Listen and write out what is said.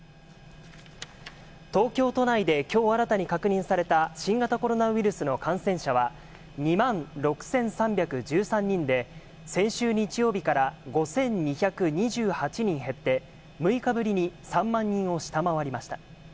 東京都内できょう、新たに確認された新型コロナウイルスの感染者は２万６３１３人で、先週日曜日から５２２８人減って、６日ぶりに３万人を下回りました。